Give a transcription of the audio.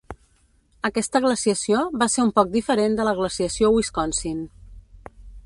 Aquesta glaciació va ser un poc diferent de la glaciació Wisconsin.